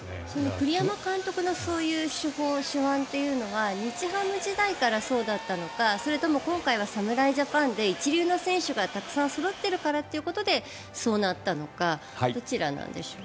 栗山監督のそういう手法、手腕というのは日ハム時代からそうだったのかそれとも今回は侍ジャパンで一流の選手がたくさんそろっているっていうことでそういうことになったのかどちらなんでしょう？